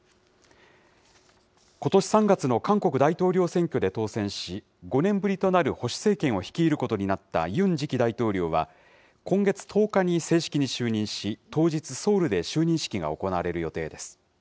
ことし３月の韓国大統領選挙で当選し、５年ぶりとなる保守政権を率いることになったユン次期大統領は、今月１０日に正式に就任し、当日、ソウルで就任式が行われる予定です。